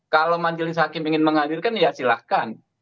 kalau majelis hakim ingin menghadirkan ya silahkan